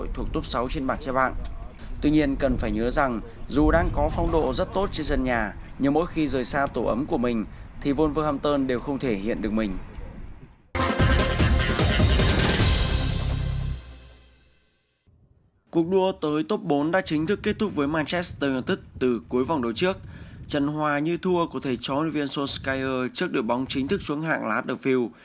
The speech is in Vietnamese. trận hòa như thua của thầy trói viên solskjaer trước đội bóng chính thức xuống hạng ladderfield